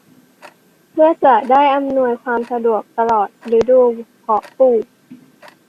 เพื่อจะได้อำนวยความสะดวกตลอดฤดูเพาะปลูก